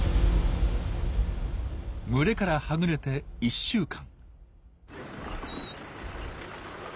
群れからはぐれて１週間。